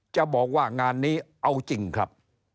จะบอกว่างานนี้เอาจริงครับ